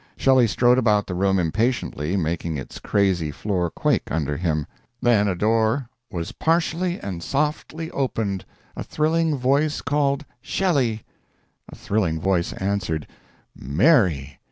Shelley strode about the room impatiently, making its crazy floor quake under him. Then a door "was partially and softly opened. A thrilling voice called 'Shelley!' A thrilling voice answered, 'Mary!'